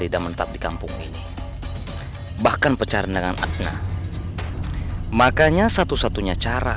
dan mental pekan seni bahkan percarian dengan ent pozw makanya satu satunya cara